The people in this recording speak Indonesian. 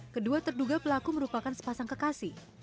kedua terduga pelaku merupakan sepasang kekasih